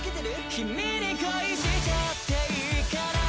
キミに恋しちゃっていいかな？